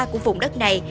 của vùng đất này